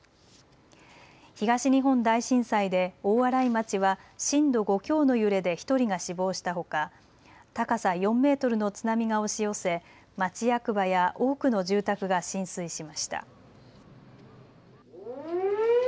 東日本大震災で大洗町は震度５強の揺れで１人が死亡したほか、高さ４メートルの津波が押し寄せ町役場や多くの住宅が浸水しました。